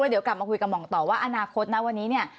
เดี๋ยวกลับมาคุยกับหม่องต่อว่าอนาคตนะวันนี้เนี่ย